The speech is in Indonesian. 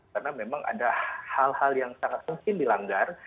karena memang ada hal hal yang sangat mungkin dilanggar